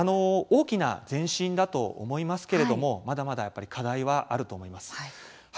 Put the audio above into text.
大きな前進だと思いますけれどもまだまだ課題はあると思います。